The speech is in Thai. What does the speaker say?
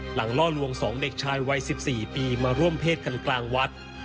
ล่อลวง๒เด็กชายวัย๑๔ปีมาร่วมเพศกันกลางวัด